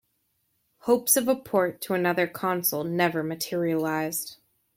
Hopes of a port to another console never materialized.